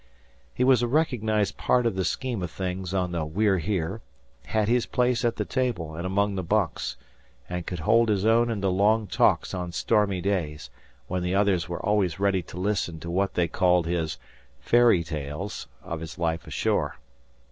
He was a recognized part of the scheme of things on the We're Here; had his place at the table and among the bunks; and could hold his own in the long talks on stormy days, when the others were always ready to listen to what they called his "fairy tales" of his life ashore.